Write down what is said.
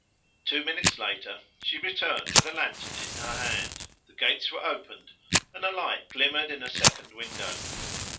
Two minutes later she returned with a lantern in her hand, the gates were opened, and a light glimmered in a second window.